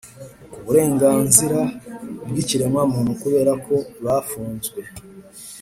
ku Burengazira bw Ikiremwamuntu kubera ko bafunzwe